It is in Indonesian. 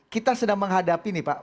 kita sedang menghadapi ini pak